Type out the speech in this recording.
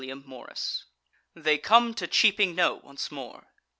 CHAPTER 9 They Come to Cheaping Knowe Once More.